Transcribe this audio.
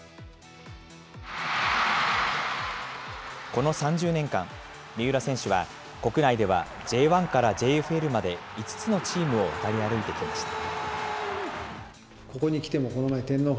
この３０年間、三浦選手は、国内ではＪ１からＪＦＬまで、５つのチームを渡り歩いてきました。